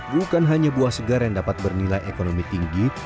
bukan hanya buah segar yang dapat bernilai ekonomi tinggi